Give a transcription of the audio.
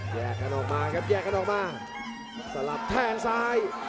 แยกกันออกมาครับแยกกันออกมาสลับแทงซ้าย